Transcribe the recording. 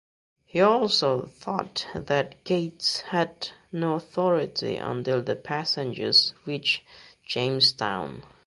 He also thought that Gates had no authority until the passengers reached Jamestown.